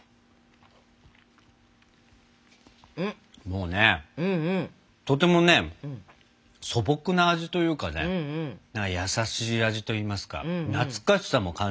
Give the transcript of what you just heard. もうねとてもね素朴な味というかね優しい味といいますか懐かしさも感じるような味ですね。